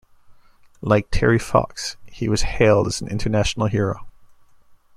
Like Terry Fox, he was hailed as an international hero.